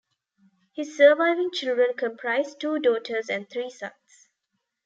His surviving children comprise two daughters and three sons.